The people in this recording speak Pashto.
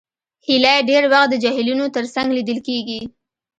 هیلۍ ډېر وخت د جهیلونو تر څنګ لیدل کېږي